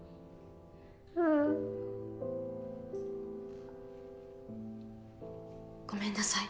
うん。ごめんなさい。